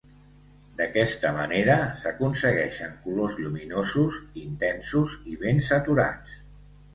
D'aquesta manera, s'aconsegueixen colors lluminosos, intensos i ben saturats.